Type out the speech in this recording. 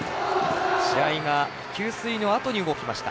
試合が給水のあとに動きました。